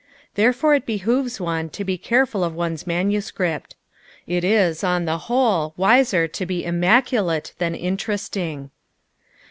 Therefore it behooves one to be careful of one 's manuscript. It is, on the whole, wiser to be immaculate than interesting.